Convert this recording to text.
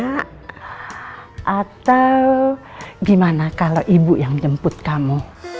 atau gimana kalau ibu yang jemput kamu